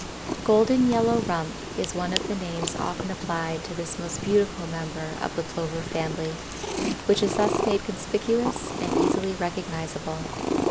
Golden yellow rump is one of the names often applied to this most beautiful member of the Plover family, which is thus made conspicuous and easily recognizable.